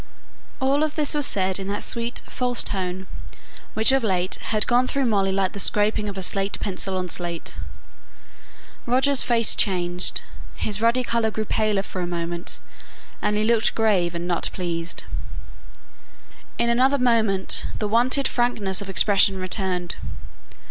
All this was said in that sweet, false tone which of late had gone through Molly like the scraping of a slate pencil on a slate. Roger's face changed. His ruddy colour grew paler for a moment, and he looked grave and not pleased. In another moment the wonted frankness of expression returned.